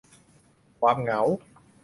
ความเหงา